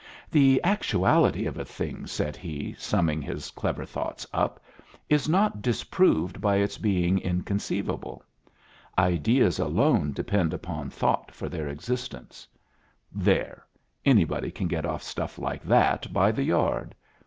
"The actuality of a thing," said he, summing his clever thoughts up, "is not disproved by its being inconceivable. Ideas alone depend upon thought for their existence. There! Anybody can get off stuff like that by the yard."